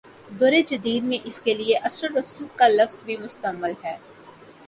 دور جدید میں اس کے لیے" اثرورسوخ کا لفظ بھی مستعمل ہے۔